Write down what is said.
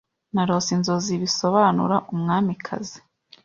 Narose inzozi Bisobanura Umwamikazi